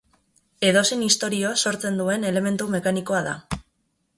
Edozein istorio sortzen duen elementu mekanikoa da.